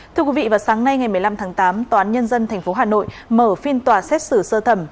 thưa quý vị vào sáng nay ngày một mươi năm tháng tám tòa án nhân dân tp hà nội mở phiên tòa xét xử sơ thẩm